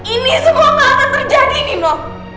ini semua gak akan terjadi nino